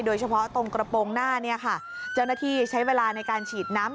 โดยเฉพาะตรงกระโปรงหน้าเนี่ยค่ะเจ้าหน้าที่ใช้เวลาในการฉีดน้ำ